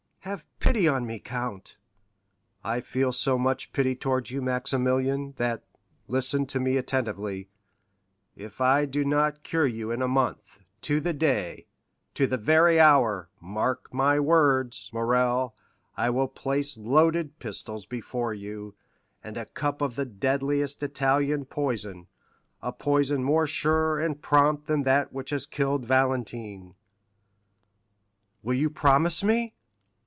"Have pity on me, count!" "I feel so much pity towards you, Maximilian, that—listen to me attentively—if I do not cure you in a month, to the day, to the very hour, mark my words, Morrel, I will place loaded pistols before you, and a cup of the deadliest Italian poison—a poison more sure and prompt than that which has killed Valentine." "Will you promise me?"